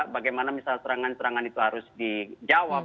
bagaimana misalnya serangan serangan itu harus dijawab